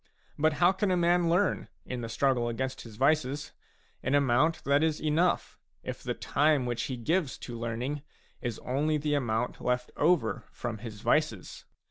But how can a man learn, in the struggle against his vices, an amount that is enough, if the time which he gives to learning is only the amount left over from his vices